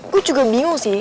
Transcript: gue juga bingung sih